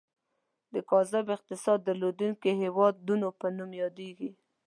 د کاذب اقتصاد درلودونکي هیوادونو په نوم یادیږي.